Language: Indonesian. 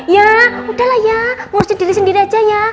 ya udahlah ya ngurusin diri sendiri aja ya